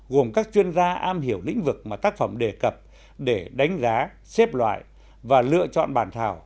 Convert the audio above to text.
gồm các chuyên gia am hiểu lĩnh vực mà tác phẩm đề cập để đánh giá xếp loại và lựa chọn bản thảo